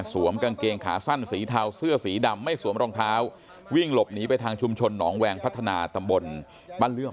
กางเกงขาสั้นสีเทาเสื้อสีดำไม่สวมรองเท้าวิ่งหลบหนีไปทางชุมชนหนองแวงพัฒนาตำบลบ้านเลื่อม